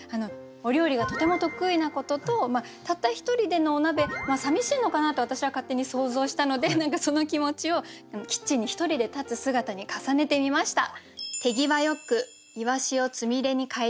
お料理がとても得意なこととたった一人でのお鍋寂しいのかなと私は勝手に想像したので何かその気持ちをキッチンに一人で立つ姿に重ねてみました。